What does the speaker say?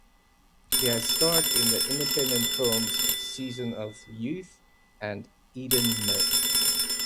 He has starred in the independent films "Season of Youth" and "The Eden Myth".